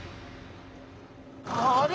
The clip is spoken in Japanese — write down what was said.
あれ？